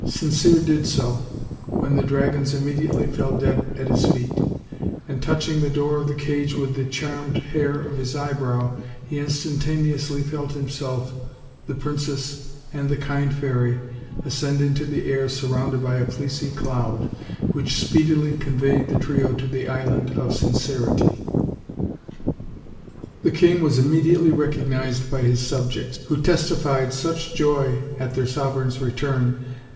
Sincere did so, when the dragons immediately fell dead at his feet; and touching the door of the cage with the charmed hair of his eyebrow, he instantaneously felt himself, the princess, and the kind fairy ascend into the air surrounded by a fleecy cloud, which speedily con veyed the trio to the Island of Sincerity. The king was immediately recognized by his subjects, who testified such joy at their sovereign's return as OLD, OLD FAIRY TALES.